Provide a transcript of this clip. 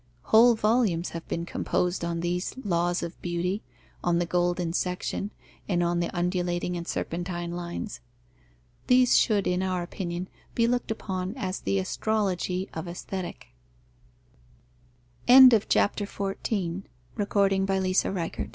Whole volumes have been composed on these laws of beauty, on the golden section and on the undulating and serpentine lines. These should in our opinion be looked upon as the astrology of Aesthetic.